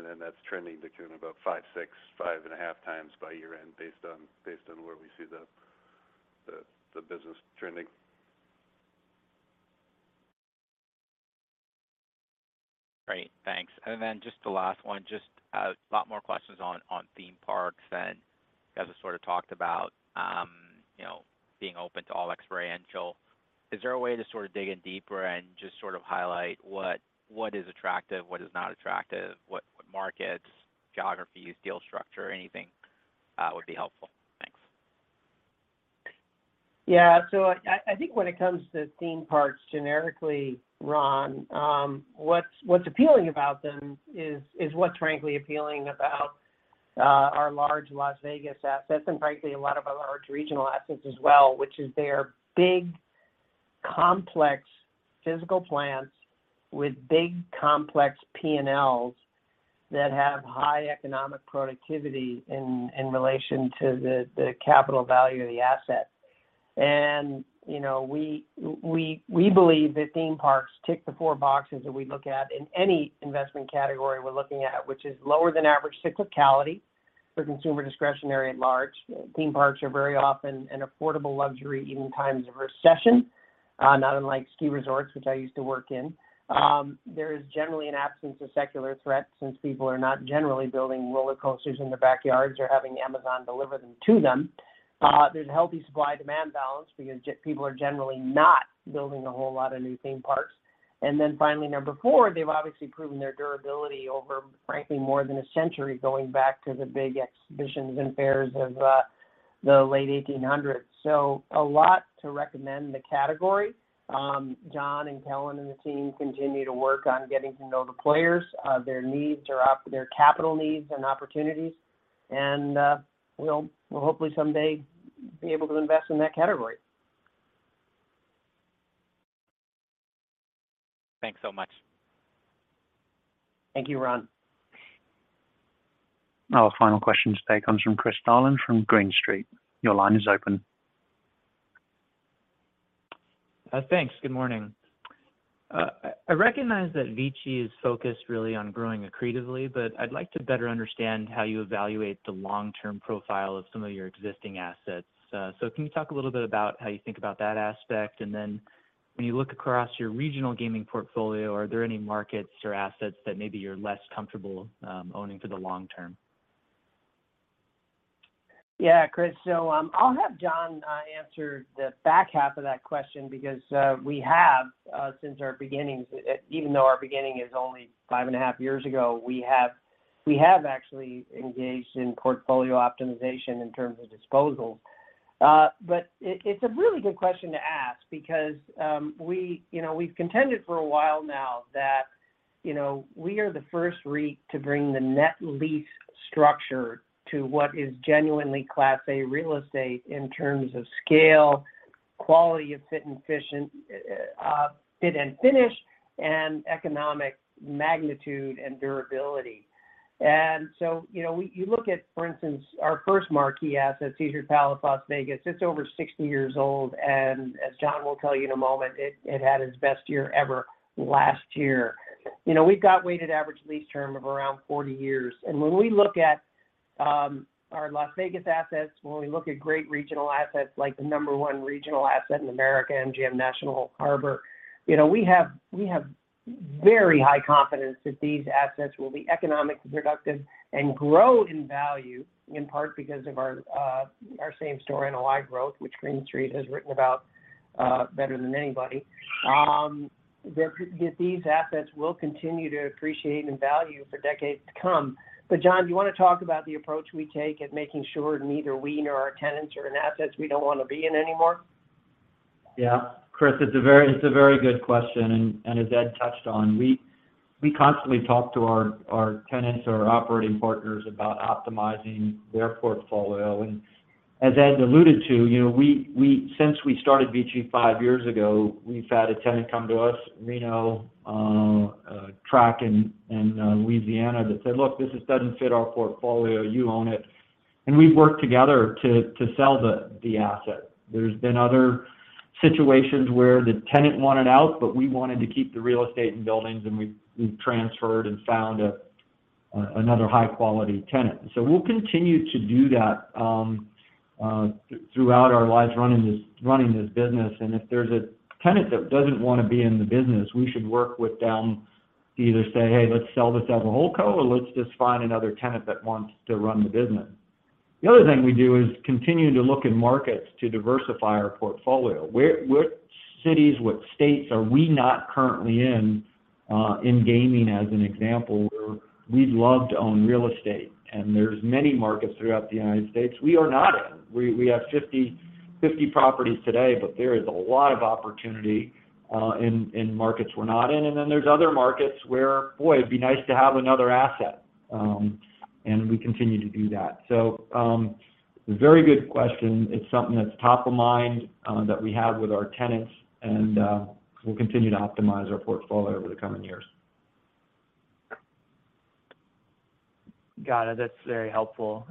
That's trending to about 5.6x, 5.5x by year-end based on where we see the business trending. Great. Thanks. Then just the last one, just, a lot more questions on theme parks. You guys have sort of talked about, you know, being open to all experiential. Is there a way to sort of dig in deeper and just sort of highlight what is attractive, what is not attractive, what markets, geographies, deal structure, anything, would be helpful? Thanks. Yeah. I think when it comes to theme parks generically, Ron, what's appealing about them is what's frankly appealing about our large Las Vegas assets and frankly a lot of our large regional assets as well, which is they are big, complex physical plants with big, complex P&Ls that have high economic productivity in relation to the capital value of the asset. You know, we believe that theme parks tick the four boxes that we look at in any investment category we're looking at, which is lower than average cyclicality for consumer discretionary at large. Theme parks are very often an affordable luxury even in times of recession, not unlike ski resorts, which I used to work in. There is generally an absence of secular threats since people are not generally building roller coasters in their backyards or having Amazon deliver them to them. There's a healthy supply-demand balance because people are generally not building a whole lot of new theme parks. Finally, Number 4, they've obviously proven their durability over frankly more than a century going back to the big exhibitions and fairs of the late 1800s. A lot to recommend the category. John and Kellan and the team continue to work on getting to know the players, their needs, their capital needs and opportunities. We'll hopefully someday be able to invest in that category. Thanks so much. Thank you, Ron. Our final question today comes from Chris Darling from Green Street. Your line is open. Thanks. Good morning. I recognize that VICI is focused really on growing accretively, but I'd like to better understand how you evaluate the long-term profile of some of your existing assets. Can you talk a little bit about how you think about that aspect? When you look across your regional gaming portfolio, are there any markets or assets that maybe you're less comfortable owning for the long term? Chris, I'll have John answer the back half of that question because we have since our beginnings, even though our beginning is only five and a half years ago, we have actually engaged in portfolio optimization in terms of disposals. It's a really good question to ask because we, you know, we've contended for a while now that, you know, we are the first REIT to bring the net lease structure to what is genuinely Class A real estate in terms of scale, quality of fit and finish, and economic magnitude and durability. You know, you look at, for instance, our first marquee asset, Caesars Palace Las Vegas, it's over 60 years old, and as John will tell you in a moment, it had its best year ever last year. You know, we've got weighted average lease term of around 40 years. When we look at our Las Vegas assets, when we look at great regional assets like the Number 1 regional asset in America, MGM National Harbor, you know, we have very high confidence that these assets will be economically productive and grow in value, in part because of our same store NOI growth, which Green Street has written about better than anybody. These assets will continue to appreciate in value for decades to come. John, do you wanna talk about the approach we take at making sure neither we nor our tenants are in assets we don't wanna be in anymore? Yeah. Chris, it's a very, it's a very good question. As Ed touched on, we constantly talk to our tenants or operating partners about optimizing their portfolio. As Ed alluded to, you know, since we started VICI five years ago, we've had a tenant come to us, Reno, track in Louisiana that said, "Look, this is doesn't fit our portfolio. You own it." We've worked together to sell the asset. There's been other situations where the tenant wanted out, but we wanted to keep the real estate and buildings, and we've transferred and found another high quality tenant. We'll continue to do that throughout our lives running this business. If there's a tenant that doesn't wanna be in the business, we should work with them to either say, "Hey, let's sell this as a OpCo, or let's just find another tenant that wants to run the business." The other thing we do is continue to look in markets to diversify our portfolio. Where, what cities, what states are we not currently in gaming as an example, where we'd love to own real estate? There's many markets throughout the United States we are not in. We have 50 properties today, but there is a lot of opportunity in markets we're not in. There's other markets where, boy, it'd be nice to have another asset. We continue to do that. Very good question. It's something that's top of mind, that we have with our tenants and we'll continue to optimize our portfolio over the coming years. Got it. That's very helpful.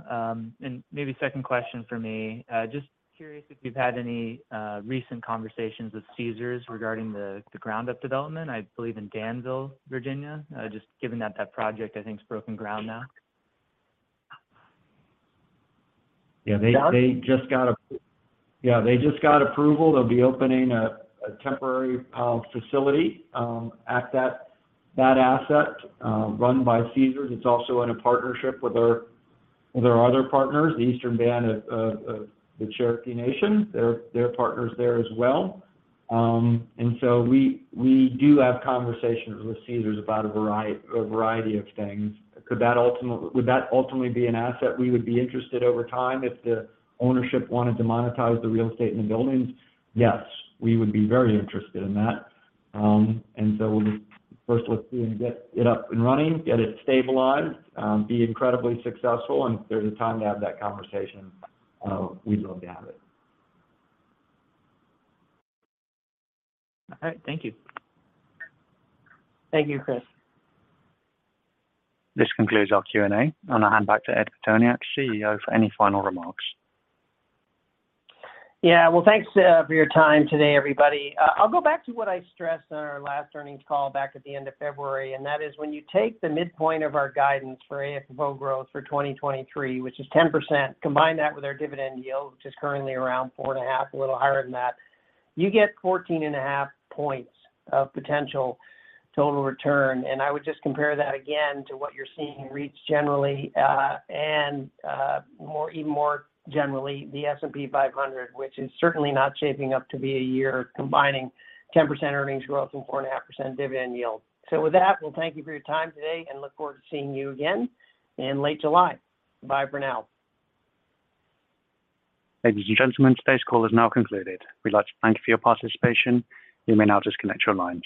Maybe second question for me, just curious if you've had any recent conversations with Caesars regarding the ground-up development, I believe in Danville, Virginia, just given that that project, I think, has broken ground now? Yeah. Yeah. They just got approval. They'll be opening a temporary facility at that asset run by Caesars. It's also in a partnership with our other partners, the Eastern Band of the Cherokee Nation. They're partners there as well. We do have conversations with Caesars about a variety of things. Would that ultimately be an asset we would be interested over time if the ownership wanted to monetize the real estate and the buildings? Yes, we would be very interested in that. We'll just first let Caesars get it up and running, get it stabilized, be incredibly successful, and if there's a time to have that conversation, we'd love to have it. All right. Thank you. Thank you, Chris. This concludes our Q&A. I'm gonna hand back to Ed Pitoniak, CEO, for any final remarks. Well, thanks for your time today, everybody. I'll go back to what I stressed on our last earnings call back at the end of February, and that is when you take the midpoint of our guidance for AFFO growth for 2023, which is 10%, combine that with our dividend yield, which is currently around 4.5, a little higher than that, you get 14.5 points of potential total return. I would just compare that again to what you're seeing reach generally, and more, even more generally, the S&P 500, which is certainly not shaping up to be a year combining 10% earnings growth and 4.5% dividend yield. With that, we'll thank you for your time today and look forward to seeing you again in late July. Bye for now. Ladies and gentlemen, today's call is now concluded. We'd like to thank you for your participation. You may now disconnect your lines.